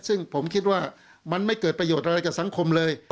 ซึ่งผมคิดว่ามันไม่เกิดประโยชน์อะไรกับสังคมเลย